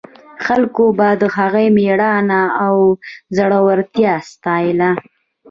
خلکو به د هغوی مېړانه او زړورتیا ستایله.